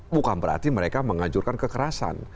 bukan berarti mereka mengajurkan kekerasan